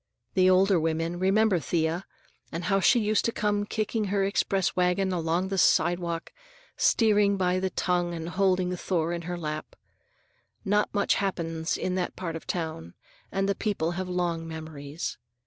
The older women remember Thea, and how she used to come kicking her express wagon along the sidewalk, steering by the tongue and holding Thor in her lap. Not much happens in that part of town, and the people have long memories.